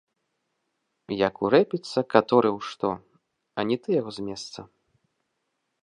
Як урэпіцца каторы ў што, ані ты яго з месца.